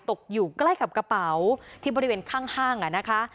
ตกอยู่ใกล้กับกระเป๋าที่บริเวณข้างห้างนะคะ